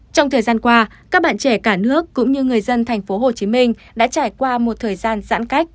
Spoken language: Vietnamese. trong thời gian qua các bạn trẻ cả nước cũng như người dân tp hcm đã trải qua một thời gian giãn cách